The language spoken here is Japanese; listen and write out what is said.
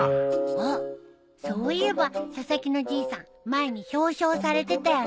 あっそういえば佐々木のじいさん前に表彰されてたよね。